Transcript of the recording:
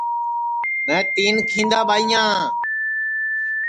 میں تین کھیندا ٻائیاں